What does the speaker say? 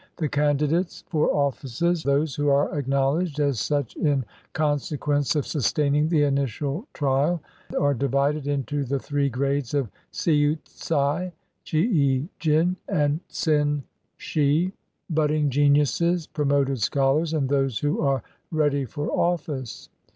The candidates for office — those who are acknowledged as such in con sequence of sustaining the initial trial — are divided into the three grades of siu ts'ai, chii jin, and tsin shi — "budding geniuses," "promoted scholars," and those who are "ready for office."